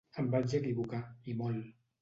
Em vaig equivocar i molt.